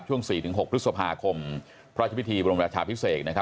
ช่วง๔๖พฤษภาคมพระอาจารย์พิธีบรมรัชภาพพิเศษนะครับ